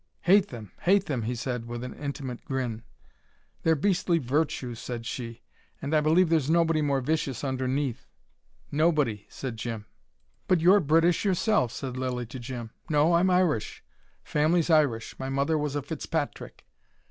"Hate them! Hate them!" he said, with an intimate grin. "Their beastly virtue," said she. "And I believe there's nobody more vicious underneath." "Nobody!" said Jim. "But you're British yourself," said Lilly to Jim. "No, I'm Irish. Family's Irish my mother was a Fitz patrick."